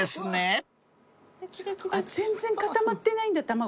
全然固まってないんだ卵。